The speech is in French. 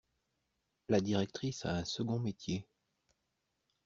La directrice a un second métier.